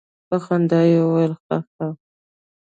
په خندا يې وويل خه خه.